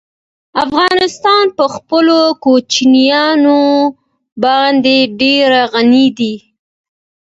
افغانستان په خپلو کوچیانو باندې ډېر غني دی.